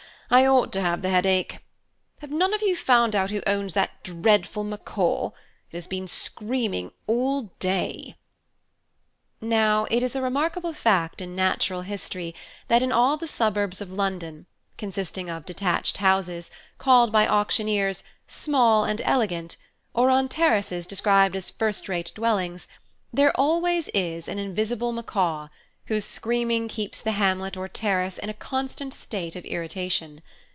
I ought to have the headache. Have none of you found out who owns that dreadful macaw? It has been screaming all day." Now it is a remarkable fact in natural history that in all the suburbs of London, consisting of detached houses, called by auctioneers 'small and elegant,' or on Terraces described as first rate dwellings, there always is an invisible macaw, whose screaming keeps the hamlet or terrace in a constant state of irritation.